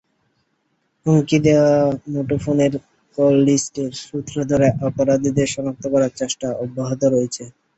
হুমকি দেওয়া মুঠোফোনের কললিস্টের সূত্র ধরে অপরাধীদের শনাক্ত করার চেষ্টা অব্যাহত রয়েছে।